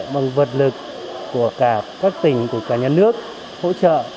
bằng vật lực của cả các tỉnh của cả nhân nước hỗ trợ